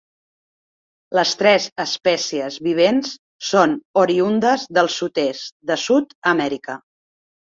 Les tres espècies vivents són oriündes del sud-est de Sud-amèrica.